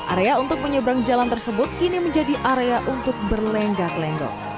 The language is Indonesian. area untuk menyeberang jalan tersebut kini menjadi area untuk berlenggak lenggok